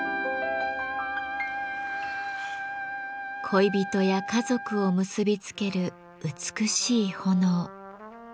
恋人や家族を結び付ける美しい炎。